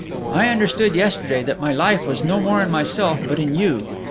I understood yesterday that my life was no more in myself, but in you.